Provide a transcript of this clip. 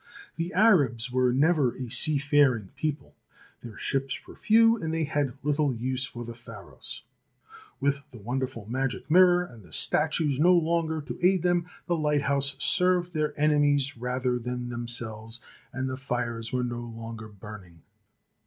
The Arabs were never a seafaring people. Their ships were few, and they had little use for the Pharos. With the wonderful magic mirror and the statues no longer to aid them, the light house served their enemies rather than themselves, and the fires were no longer burning.